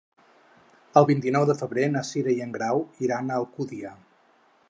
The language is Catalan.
El vint-i-nou de febrer na Cira i en Grau iran a Alcúdia.